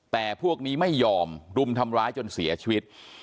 แต่พวกนี้ไม่ยอมรุมทำร้ายจนเสียชีวิต